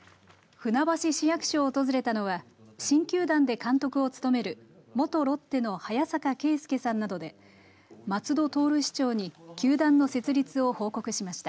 船橋市役所を訪れたのは新球団で監督を務める元ロッテの早坂圭介さんなどで松戸徹市長に球団の設立を報告しました。